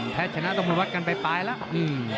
แท้ชนะตรงประวัติกันไปปลายแล้ว